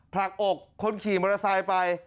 ผลักอกคนขี่มอเตอร์ไซค์ไป